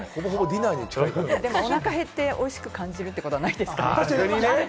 お腹減って、おいしく感じるってことないんですかね。